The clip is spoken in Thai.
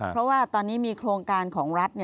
เพราะว่าตอนนี้มีโครงการของรัฐ